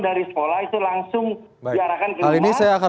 dari sekolah itu langsung diarahkan